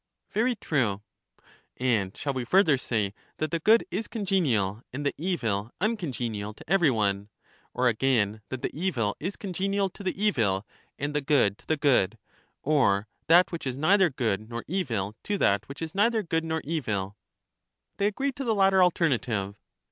Very true. And shall we further say that the good is congenial, and the evil uncongenial to every one? Or again that the evil is congenial to the evil, and the good to the good; or that which is neither good nor evil to that which is neither good nor evil. They agreed to the latter alternative.